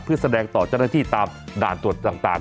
เพื่อแสดงต่อเจ้าหน้าที่ตามด่านตรวจต่าง